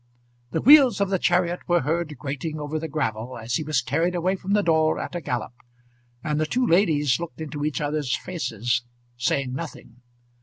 The wheels of the chariot were heard grating over the gravel, as he was carried away from the door at a gallop, and the two ladies looked into each other's faces, saying nothing.